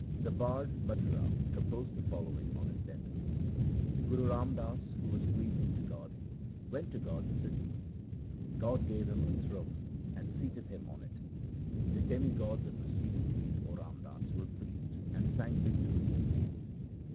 The bard Mathura composed the following on his death :— Guru Ram Das who was pleasing to God, went to God's city ; God gave him a throne and seated him on it. The demigods on receiving thee, 0 Ram Das, were pleased, and sang victory to thee.